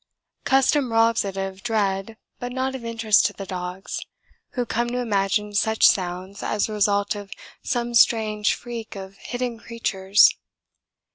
Custom robs it of dread but not of interest to the dogs, who come to imagine such sounds as the result of some strange freak of hidden creatures.